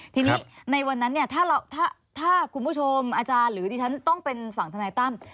ทีนี้ในวันนั้นเนี่ยถ้าคุณผู้ชมอาจารย์หรือดิฉันต้องเป็นฝั่งธนายตั้ม